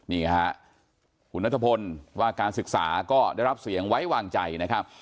นี่ฮะคุณนัทพลว่าการศึกษาก็ได้รับเสียงไว้วางใจนะครับ